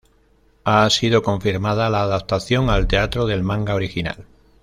Ha sido confirmada la adaptación al teatro del manga original.